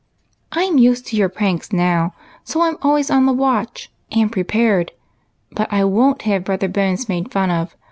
" I 'm used to your pranks now, so I 'm always on the watch and prepared. But I won't have Brother Bones made fun of.